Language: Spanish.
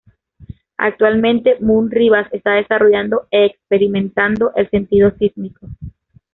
Actualmente, Moon Ribas está desarrollando e experimentando el sentido sísmico.